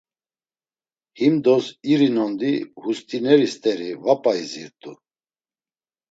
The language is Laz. Himdos iri nondi hust̆ineri st̆eri va p̌a izirt̆u.